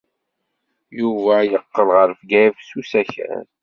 Yuba yeqqel ɣer Bgayet s usakal.